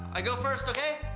saya pergi dulu oke